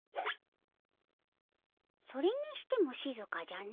それにしてもしずかじゃの。